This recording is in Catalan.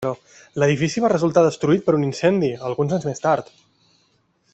L'edifici va resultar destruït per un incendi alguns anys més tard.